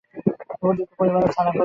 উপযুক্ত পরিমাণে ছানা কদমা সংগ্রহ আছে।